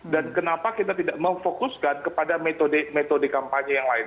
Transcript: dan kenapa kita tidak memfokuskan kepada metode kampanye yang lain